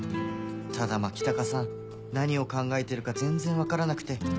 ただ牧高さん何を考えているか全然分からなくて